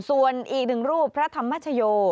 ส่วนอีกหนึ่งรูปพระธรรมชโย